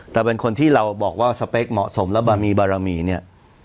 แต่เป็นคนที่เราบอกว่าสเปคเหมาะสมและบามีบารมีเนี่ย